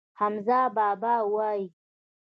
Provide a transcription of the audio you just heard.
حمزه بابا وايي.